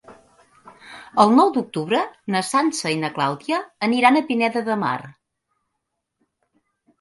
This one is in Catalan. El nou d'octubre na Sança i na Clàudia aniran a Pineda de Mar.